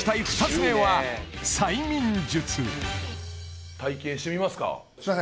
２つ目は催眠術体験してみますか？